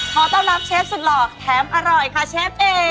ขอต้อนรับเชฟสุดหล่อแถมอร่อยค่ะเชฟเอ